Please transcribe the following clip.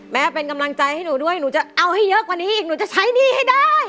ไม่เป็นไรเป็นกำลังใจให้หนูด้วยหนูจะเอาให้เยอะกว่านี้อีกหนูจะใช้หนี้ให้ได้